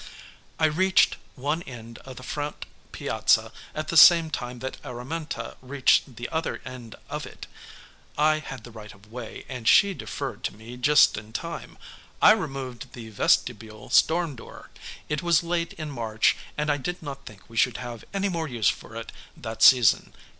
I reached one end of the front piazza at the same time that Araminta reached the other end of it. I had the right of way, and she deferred to me just in time. I removed the vestibule storm door. It was late in March, and I did not think we should have any more use for it that season.